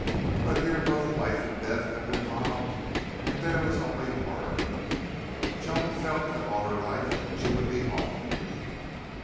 But here both life and death had been robbed and there was only horror. Joan felt that all her life she would be haunted.